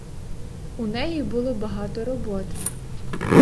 У неї було багато роботи.